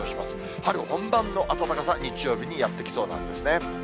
春本番の暖かさ、日曜日にやって来そうなんですね。